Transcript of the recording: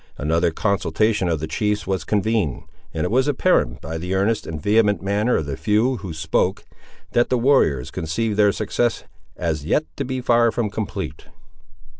Another consultation of the chiefs was convened, and it was apparent, by the earnest and vehement manner of the few who spoke, that the warriors conceived their success as yet to be far from complete.